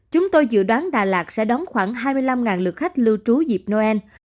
chúng tôi dự đoán đà lạt sẽ đón khoảng hai mươi năm lượt khách lưu trú dịp noel